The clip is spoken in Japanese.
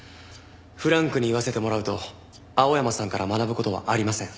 フランクに言わせてもらうと青山さんから学ぶ事はありません。